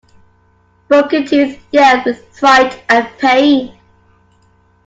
Broken-Tooth yelled with fright and pain.